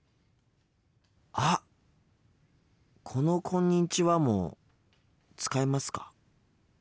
あっこの「こんにちは」も使いますか？